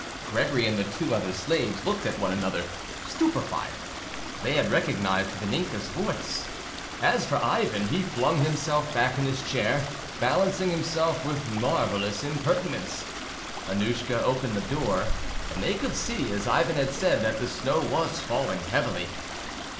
Gregory and the two other slaves looked at one another, stupefied: they had recognised Vaninka's voice. As for Ivan, he flung himself back in his chair, balancing himself with marvellous impertinence. Annouschka opened the door, and they could see, as Ivan had said, that the snow was falling heavily.